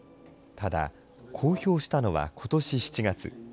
ただ、公表したのはことし７月。